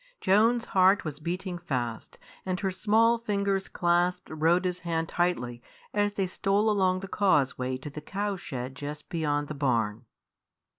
Joan's heart was beating fast, and her small fingers clasped Rhoda's hand tightly as they stole along the causeway to the cow shed just beyond the barn.